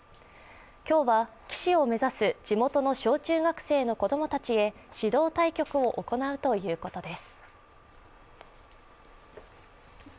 今日は、棋士を目指す地元の小中学生の子供たちへ指導対局を行うということです。